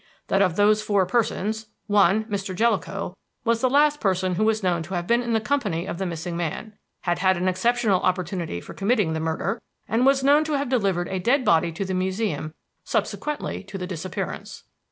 That, of those four persons, one Mr. Jellicoe was the last person who was known to have been in the company of the missing man; had had an exceptional opportunity for committing the murder; and was known to have delivered a dead body to the Museum subsequently to the disappearance.